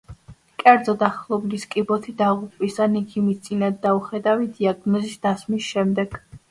კერძოდ, ახლობლის კიბოთი დაღუპვის ან ექიმის წინდაუხედავი დიაგნოზის დასმის შემდეგ.